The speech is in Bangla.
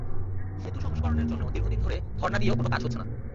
সেতু সংস্কারের জন্য দীর্ঘদিন ধরে ধরনা দিয়েও কোনো কাজ হচ্ছে না।